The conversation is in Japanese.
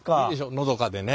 のどかでね。